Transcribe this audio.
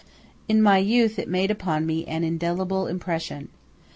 In my youth it made upon me an indelible impression.